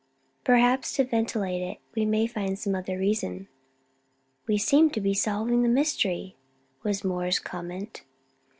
"Perhaps to ventilate it. We may find some other reason." "We seem to be solving the mystery," was Moore's comment.